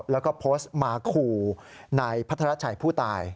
แล้วก็โพสต์มาขู่นายพัทรชัยผู้ตาย